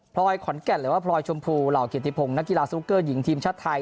ขอนแก่นหรือว่าพลอยชมพูเหล่าเกียรติพงศ์นักกีฬาสนุกเกอร์หญิงทีมชาติไทย